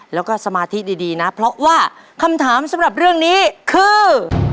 แล้วก็สมาธิดีนะเพราะว่าคำถามสำหรับเรื่องนี้คือ